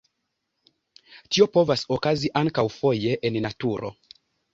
Tio povas okazi ankaŭ foje en naturo.